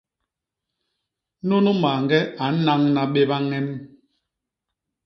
Nunu mañge a nnañna béba ñem.